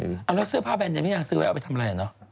เอาแล้วเสื้อผ้าแบรนด์ยังไม่อยากซื้อไว้เอาไปทำอะไรเนอร์